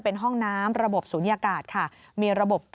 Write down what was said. เป็นขบวนรถที่จะช่วยลดปัญหามลภาวะทางอากาศได้ด้วยค่ะ